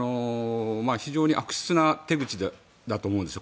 非常に悪質な手口だと思うんですよ